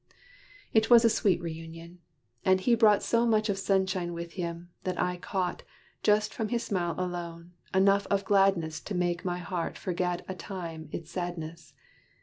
It was a sweet reunion: and he brought So much of sunshine with him, that I caught, Just from his smile alone, enough of gladness To make my heart forget a time its sadness.